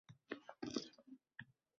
O‘sha pullar qayoqqa ketyapti, o‘zi?